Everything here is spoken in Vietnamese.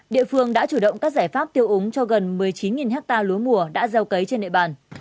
địa phương đã chủ động các giải pháp tiêu úng cho gần một mươi chín hectare lúa mùa đã gieo cấy trên địa bàn